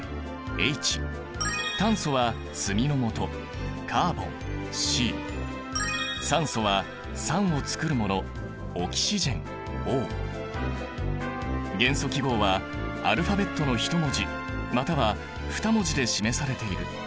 炭素は炭のもと酸素は酸を作るもの元素記号はアルファベットの１文字または２文字で示されている。